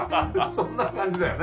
そんな感じだよね。